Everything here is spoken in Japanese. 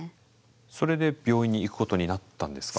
それで病院に行くことになったんですか？